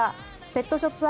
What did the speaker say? ペットショップ